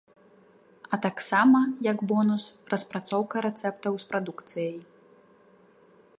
А таксама, як бонус, распрацоўка рэцэптаў з прадукцыяй.